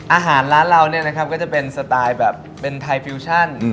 ร้านเราเนี่ยนะครับก็จะเป็นสไตล์แบบเป็นไทยฟิวชั่น